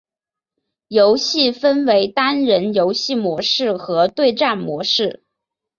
游戏分为单人游戏模式和对战模式。